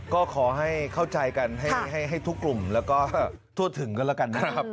ก็ขอให้เข้าใจกันให้ทุกกลุ่มแล้วก็ทั่วถึงกันแล้วกันนะครับ